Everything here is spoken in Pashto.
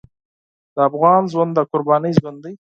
د افغان ژوند د قربانۍ ژوند دی.